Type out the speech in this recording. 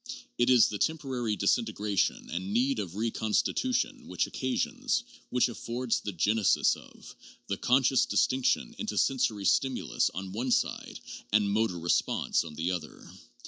It is the temporary disin tegration and need of reconstitution which occasions, which af fords the genesis of, the conscious distinction into sensory stim ulus on one side and motor response on the other.